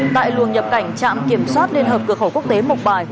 đường nhập cảnh trạm kiểm soát liên hợp cửa khẩu quốc tế mộc bài